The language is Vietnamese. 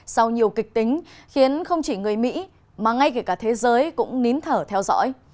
sau nhiều kịch tính khiến không chỉ người mỹ mà ngay cả thế giới cũng nín thở theo dõi